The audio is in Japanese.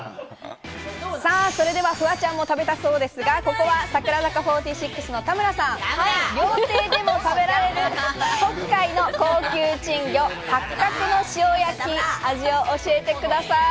それではフワちゃんも食べたそうですが、ここは櫻坂４６の田村さん、料亭でも食べられる高級珍魚・ハッカクの塩焼き、味を教えてください。